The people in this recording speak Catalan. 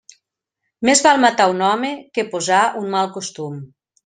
Més val matar un home que posar un mal costum.